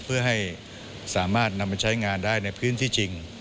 เพื่อให้สามารถนำไปใช้งานได้ในพื้นที่จริง